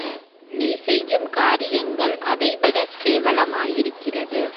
நீ செய்யும் காரியங்கள் அதைவிடக் கேவலமாயிருக்கிறது.